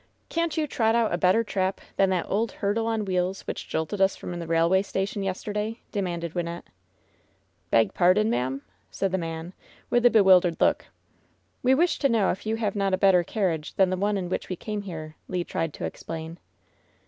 "Can't you trot out a better trap than that old hurdle on wheels which jolted us from the railway station yes terday ?" demanded Wynnette. "Beg pardon, ma'am ?" said the man, with a bewil dered look. "We wish to know if you have not a better carriage than the one in which we came here," Le tried to ex plain.